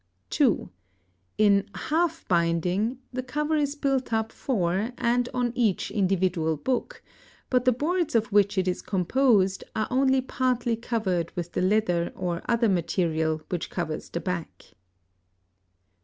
(2) In half binding, the cover is built up for and on each individual book, but the boards of which it is composed are only partly covered with the leather or other material which covers the back.